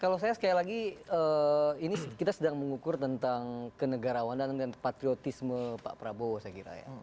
kalau saya sekali lagi ini kita sedang mengukur tentang kenegarawanan dan patriotisme pak prabowo saya kira ya